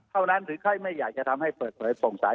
เท่านั้นหรือใครไม่อยากจะทำให้เปิดประโยชน์ตรงใต้